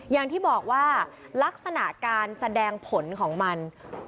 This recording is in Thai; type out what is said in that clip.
อย่างที่บอกว่าลักษณะการแสดงผลของมัน